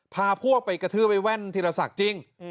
พาพวกไปกระทืบไอ้แว่นธีรศักดิ์จริง